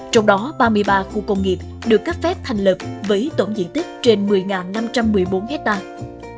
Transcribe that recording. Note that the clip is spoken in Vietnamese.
trong đó ba mươi ba khu công nghiệp được cấp phép thành lập với tổng diện tích trên một mươi năm trăm một mươi bốn hectare